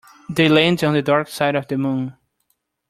They landed on the dark side of the moon.